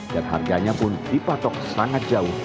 dan harganya pun dipatok sangat jauh